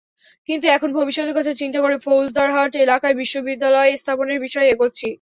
কিন্তু এখন ভবিষ্যতের কথা চিন্তা করে ফৌজদারহাট এলাকায় বিশ্ববিদ্যালয় স্থাপনের বিষয়ে এগোচ্ছি।